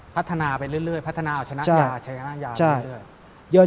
พัฒนาไปเรื่อยพัฒนาเอาชนะยาชนะยาไปเรื่อย